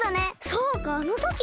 そうかあのときの！